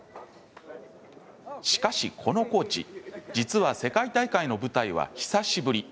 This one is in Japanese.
しかし、このコーチ実は世界大会の舞台は久しぶり。